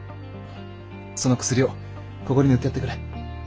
その薬をここに塗ってやってくれ。